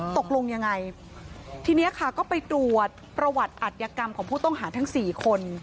ตกลงยังไงทีนี้ค่ะก็ไปตรวจประวัติอัตยกรรมของผู้ต้องหาทั้งสี่คน